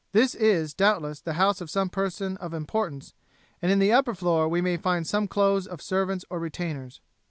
This is, doubtless, the house of some person of importance, and in the upper floor we may find some clothes of servants or retainers."